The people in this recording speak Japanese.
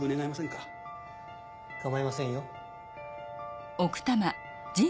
かまいませんよ。